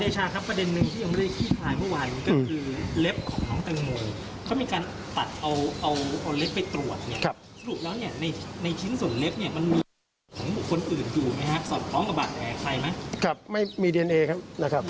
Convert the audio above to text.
สอนพร้อมกับบาทใครไหม